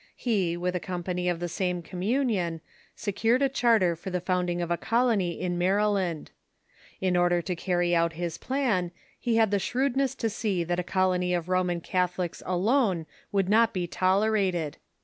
He, with a company of the same communion, secured a charter for the founding of a colony in Maryland. In order to carry out his plan, he had the shrewdness to see that a colony of Roman Catholics alone would not be tolerated.